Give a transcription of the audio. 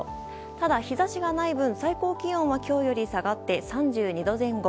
ただ日差しがない分、最高気温は今日より下がって３２度前後。